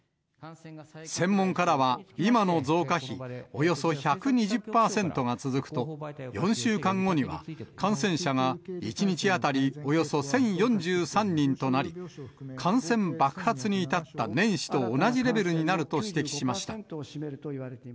専門家らは、今の増加比、およそ１２０％が続くと、４週間後には、感染者が１日当たりおよそ１０４３人となり、感染爆発に至った年始と同じレベルになると指摘しました。